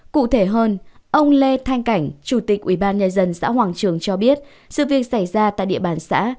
cụ thể hơn ông lê thanh cảnh chủ tịch ubnd xã hoàng trường cho biết sự việc xảy ra tại địa bàn xã